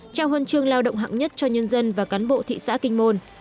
trao huân chương lao động hạng nhất cho nhân dân và cán bộ thị xã kinh môn